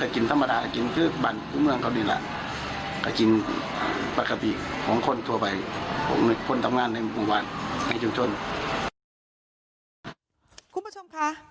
คุณผู้ชมค่ะ